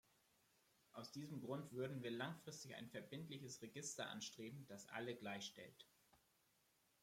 Aus diesem Grund würden wir langfristig ein verbindliches Register anstreben, das alle gleichstellt.